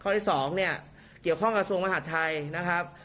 ข้อที่สองเนี่ยเกี่ยวข้องกับส่วนมหัฐไทยนะครับ